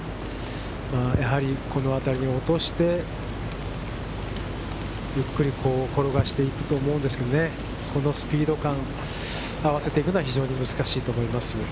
やはりこの辺りに落として、ゆっくり、こう転がしていくと思うんですけどね、このスピード感、合わせていくのは非常に難しいと思います。